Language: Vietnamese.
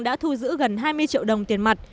đã thu giữ gần hai mươi triệu đồng tiền mặt